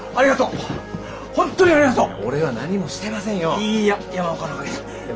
いいや山岡のおかげだ。